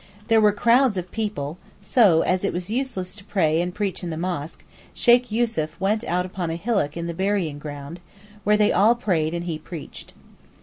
There were crowds of people, so, as it was useless to pray and preach in the mosque, Sheykh Yussuf went out upon a hillock in the burying ground, where they all prayed and he preached.